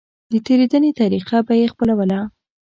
د تېرېدنې طريقه به يې خپلوله.